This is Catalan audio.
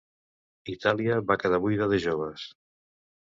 Itàlia va quedar buida de joves.